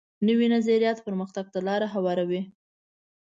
نوی نظریات پرمختګ ته لار هواروي